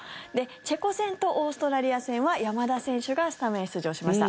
チェコ戦とオーストラリア戦は山田選手がスタメン出場しました。